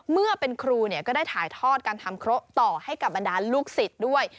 เมื่อเป็นครูก็ได้ถ่ายทอดการทำเคราะห์ต่อให้กับบรรดาลูกศิษย์ด้วย